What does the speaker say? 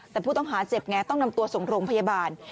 แต่ผู้ต้องหาเจ็บไงต้องนำตัวส่งโรงพยาบาล